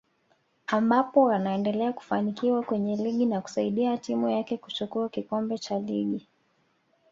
ambapo anaendelea kufanikiwa kwenye ligi na kusaidia timu yake kuchukua kikombe cha ligi